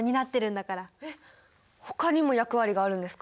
えっほかにも役割があるんですか？